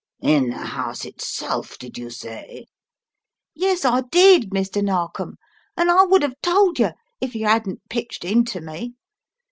"In the house itself, did you say?" "Yes, I did, Mr. Narkom, and I would 'ave told yer if yer 'adn't pitched into me!